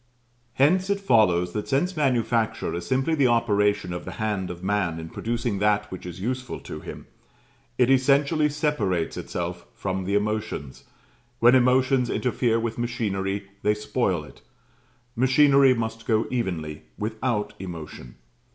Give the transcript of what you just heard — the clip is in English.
Hence it follows that since Manufacture is simply the operation of the hand of man in producing that which is useful to him, it essentially separates itself from the emotions; when emotions interfere with machinery they spoil it: machinery must go evenly, without emotion.